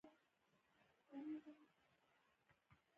• ته د شپو خوبونو بڼه یې.